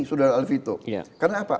saudara larfito kenapa